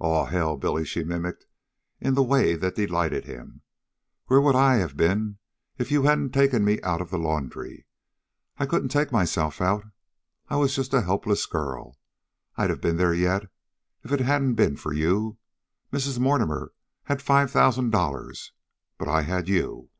"Aw hell, Billy," she mimicked in the way that delighted him, "where would I have been if you hadn't taken me out of the laundry? I couldn't take myself out. I was just a helpless girl. I'd have been there yet if it hadn't been for you. Mrs. Mortimer had five thousand dollars; but I had you."